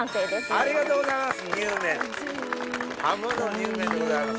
ありがとうございます。